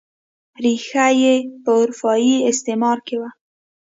ریښه یې په اروپايي استعمار کې وه.